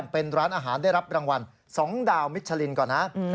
เป็นร้านอาหารได้รับรางวัล๒ดาวมิชลินก่อนนะ